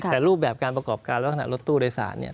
แต่รูปแบบการประกอบการรถโดยสารเนี่ย